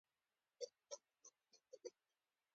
خان زمان وویل: نه، زه باید اوس چارټ بشپړ کړم.